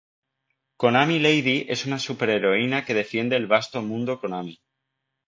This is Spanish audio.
Konami Lady es una superheroína que defiende el vasto Mundo Konami.